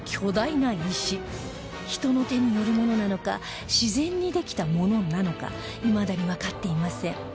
人の手によるものなのか自然にできたものなのかいまだにわかっていません